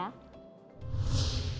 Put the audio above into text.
nah kalau ini konsultasi